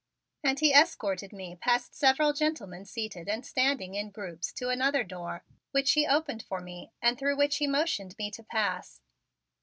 And he escorted me past several gentlemen seated and standing in groups, to another door, which he opened for me and through which he motioned me to pass.